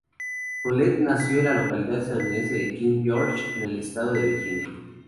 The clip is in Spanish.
Colette nació en la localidad estadounidense de King George, en el estado de Virginia.